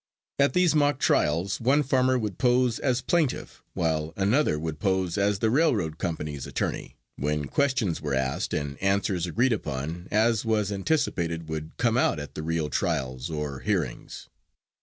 At these mock trials one farmer would pose as plaintiff, while another would pose as the railroad company's attorney, when questions were asked, and answers agreed upon, as was anticipated would come out at the real trials or hearings.